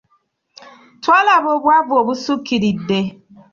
Twalaba obwavu obusukkiridde.